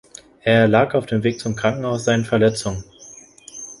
Er erlag auf dem Weg zum Krankenhaus seinen Verletzungen.